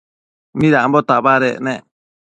Midambo tabadec ne?